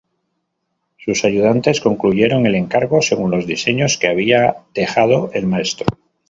Sus ayudantes concluyeron el encargo, según los diseños que había dejado el maestro.